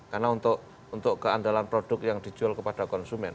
karena untuk keandalan produk yang dijual kepada konsumen